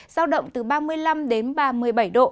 giao động từ ba mươi năm đến ba mươi bảy độ